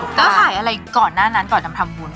แล้วขายอะไรก่อนหน้านั้นก่อนทำวุ้น